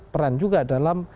peran juga dalam